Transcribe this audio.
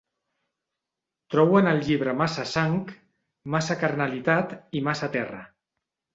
Trobo en el llibre massa sang, massa carnalitat i massa terra.